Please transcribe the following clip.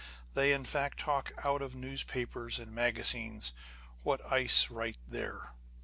They, in fact, talk out of newspapers and magazines, what ice write there.